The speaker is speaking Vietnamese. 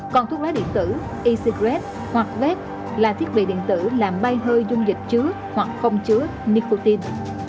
còn thuốc lá điện tử e cigarette hoặc vep là thiết bị điện tử làm bay hơi dung dịch chứa hoặc không chứa nicotine